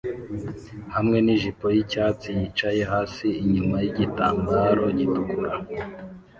hamwe nijipo yicyatsi yicaye hasi inyuma yigitambaro gitukura